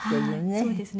そうですね。